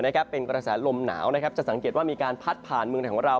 เฉียงเหนือเป็นกระแสลมหนาวจะสังเกตว่ามีการพัดผ่านเมืองแถงวัดราว